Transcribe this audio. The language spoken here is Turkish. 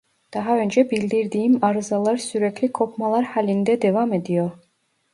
Daha önce bildirdiğim arızalar sürekli kopmalar halinde devam ediyor